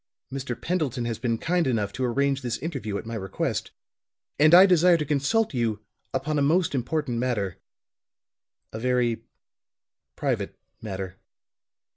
Mr. Pendleton has been kind enough to arrange this interview at my request; and I desire to consult you upon a most important matter a very private matter."